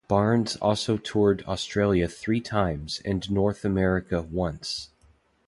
Barnes also toured Australia three times and North America once.